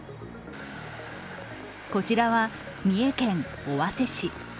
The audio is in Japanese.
こちらは三重県尾鷲市。